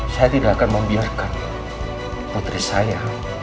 saya tidak akan membiarkan putri saya